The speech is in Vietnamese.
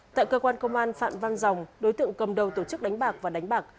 tại cơ quan công an phạm văn rồng đối tượng cầm đầu tổ chức đánh bạc và đánh bạc